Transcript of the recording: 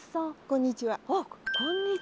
こんにちは。